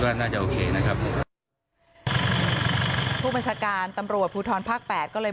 น่าจะโอเคนะครับผู้บัญชาการตำรวจภูทรภาคแปดก็เลย